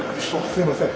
すいません。